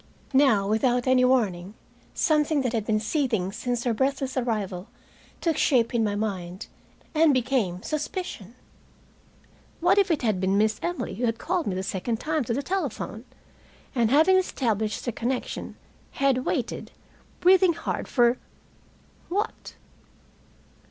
Now, without any warning, something that had been seething since her breathless arrival took shape in my mind, and became suspicion. What if it had been Miss Emily who had called me the second time to the telephone, and having established the connection, had waited, breathing hard for what?